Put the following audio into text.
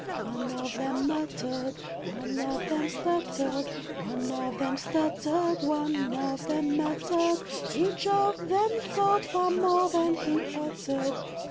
One of them muttered, one of them stuttered, One of them stuttered, one of them muttered. Each of them thought far more than he uttered.